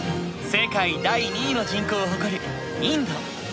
世界第２位の人口を誇るインド。